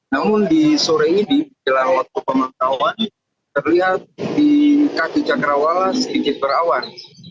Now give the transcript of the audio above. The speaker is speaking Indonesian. namun di sore ini jelang waktu pemantauan terlihat di kaki cakrawala sedikit berawan